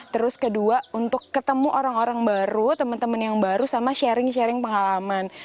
terus kedua untuk ketemu orang orang baru teman teman yang baru sama sharing sharing pengalaman